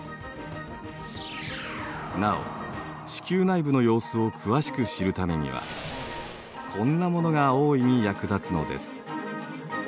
なお地球内部の様子を詳しく知るためにはこんなものが大いに役立つのです。